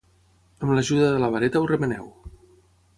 amb l'ajuda de la vareta ho remeneu